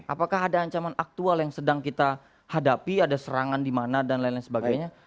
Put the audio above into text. apakah ada ancaman aktual yang sedang kita hadapi ada serangan di mana dan lain lain sebagainya